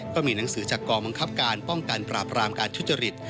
ก็มีหนังสือจากกองบังคับการป้องกันปราบรามการทุจริต